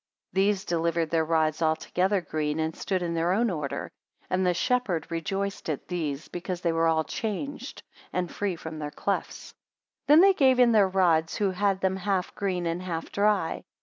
These delivered their rods altogether green, and stood in their own order. And the shepherd rejoiced at these, because they were all changed, and free from their clefts. 40 Then they gave in their rods, who had them half green and half dry.